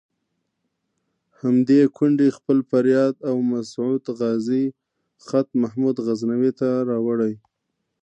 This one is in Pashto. همدې کونډې خپل فریاد او د مسعود غازي خط محمود غزنوي ته راوړی.